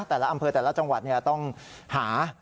แต่ละอำเภอแต่ละจังหวัดต้องหา